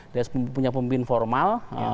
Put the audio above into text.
dan punya pemimpin formal